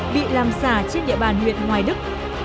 bị làm xả trên địa bàn huyện hoài đức